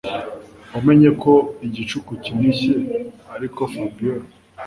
wamenye uko igicuku kinishye ariko Fabiora